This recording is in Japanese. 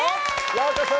ようこそ！